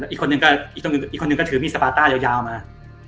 อีกคนหนึ่งก็ถือมีสปาร์ต้ายาวมา